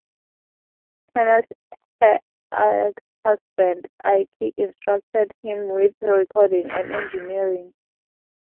Turner's her ex-husband, Ike, instructed him with recording and engineering.